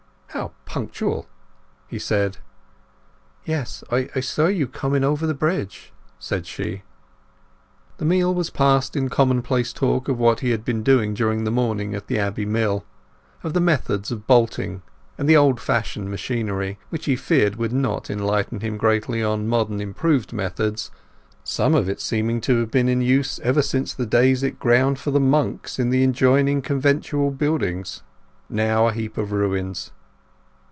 "How punctual!" he said. "Yes. I saw you coming over the bridge," said she. The meal was passed in commonplace talk of what he had been doing during the morning at the Abbey Mill, of the methods of bolting and the old fashioned machinery, which he feared would not enlighten him greatly on modern improved methods, some of it seeming to have been in use ever since the days it ground for the monks in the adjoining conventual buildings—now a heap of ruins.